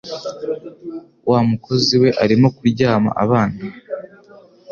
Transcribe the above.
Wa mukozi we arimo kuryama abana.